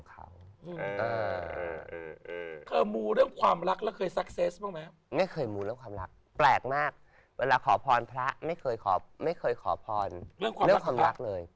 มันอะไรอย่างเงี้ยฮะ